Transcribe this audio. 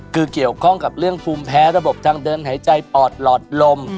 คือเกี่ยวข้องกับเรื่องภูมิแพ้ระบบทางเดินหายใจปอดหลอดลม